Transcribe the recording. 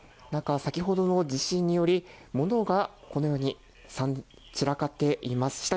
何か先ほどの地震によりものがこのように散らかっています。